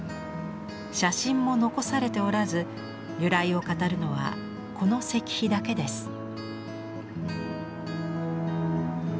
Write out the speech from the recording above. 写真も残されておらず由来を語るのはこの石碑だけです。